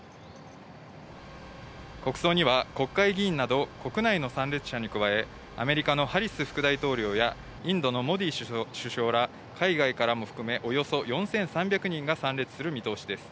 国葬には国会議員など国内の参列者に加え、アメリカのハリス副大統領や、インドのモディ首相ら海外からも含め、およそ４３００人が参列する見通しです。